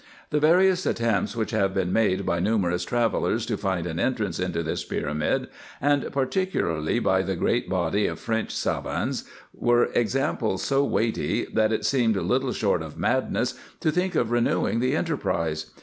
The various attempts which have been made by numerous travellers to find an entrance into this pyramid, and particularly by the great body of French savans, were examples so weighty, that it seemed little short of madness, to think of renewing the enterprise.